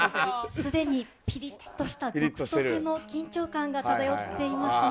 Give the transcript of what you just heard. すでにぴりっとした独特の緊張感が漂っていますね。